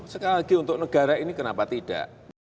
sekali lagi untuk negara ini kenapa tidak